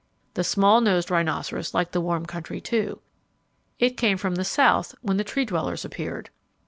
The small nosed rhinoceros liked the warm country, too. It came from the south when the Tree dwellers appeared.